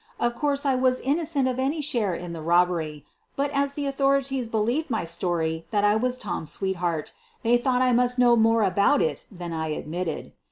Of course, I was innocent of any share in the robbery, but, as the authorities believed my story that I was Tom's sweetheart, they thought I must know more, about it than I admitted.